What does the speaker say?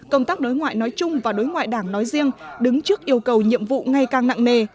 công tác đối ngoại nói chung và đối ngoại đảng nói riêng đứng trước yêu cầu nhiệm vụ ngày càng nặng nề